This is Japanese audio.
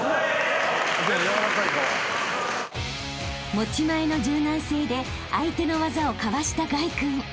［持ち前の柔軟性で相手の技をかわした凱君］